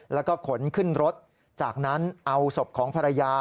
แล้วก็ขนขึ้นรถจากนั้นเอาศพของภรรยา